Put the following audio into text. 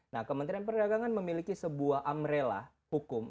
nah kementerian perdagangan memiliki sebuah amrella hukum